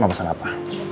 mau pesen apa